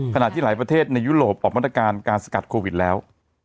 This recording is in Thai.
ขณะที่หลายประเทศในยุโรปออกมาตรการการสกัดโควิดแล้ว